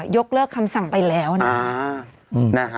ยกเลิกคำสั่งไปแล้วนะ